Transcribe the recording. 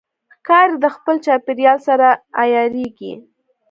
ښکاري د خپل چاپېریال سره عیارېږي.